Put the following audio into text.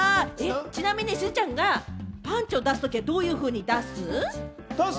ちなみにしずちゃんがパンチを出すときはどういうふうに出す？